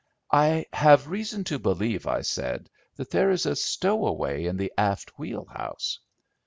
"I have reason to believe," I said, "that there is a stowaway in the aft wheelhouse."